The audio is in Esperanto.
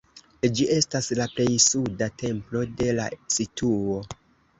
Ĝi estas la plej suda templo de la situo.